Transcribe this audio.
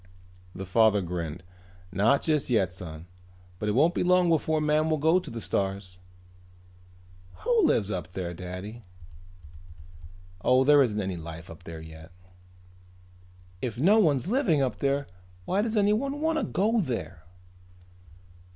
The father grinned. "Not just yet, son, but it won't be long before man will go to the stars." "Who lives up there, Daddy?" "Oh, there isn't any life up there yet." "If no one's living up there why does anyone want to go there?"